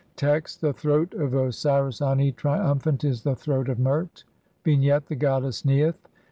Text : (10) The throat of Osiris Ani, triumphant, is the throat of Mert. Vignette : The goddess Neith.